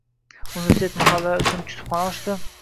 Universitet mahallalar uchun kutubxona ochdi